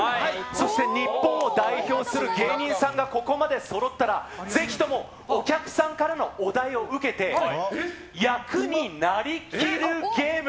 そして日本を代表する芸人さんがここまでそろったら、ぜひともお客さんからのお題を受けて役になりきるゲーム